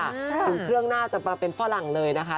ถึงเครื่องน่าจะมาเป็นฝรั่งเลยนะคะ